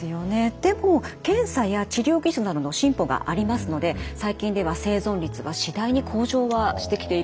でも検査や治療技術などの進歩がありますので最近では生存率が次第に向上はしてきているんです。